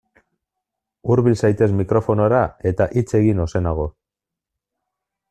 Hurbil zaitez mikrofonora eta hitz egin ozenago.